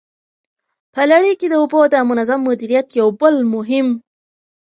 په لړۍ کي د اوبو د منظم مديريت يو بل مهم